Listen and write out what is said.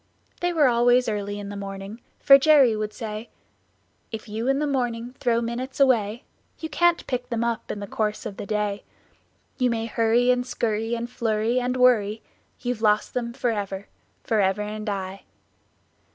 They were always early in the morning, for Jerry would say: "If you in the morning Throw minutes away, You can't pick them up In the course of a day. You may hurry and scurry, And flurry and worry, You've lost them forever, Forever and aye."